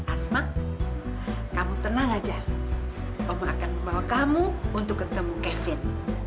asmak kamu tenang aja kamu akan membawa kamu untuk ketemu kevin